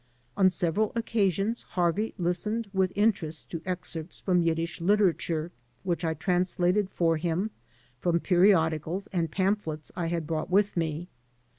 On several occasions Harvey lis tened with interest to excerpts from Yiddish literatm*e which I translated for him from periodicals and pam phlets I had brought with me.